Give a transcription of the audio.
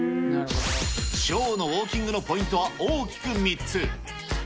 ショーのウォーキングのポイントは大きく３つ。